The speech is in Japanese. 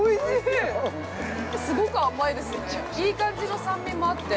すごく甘いですねいい感じの酸味もあって。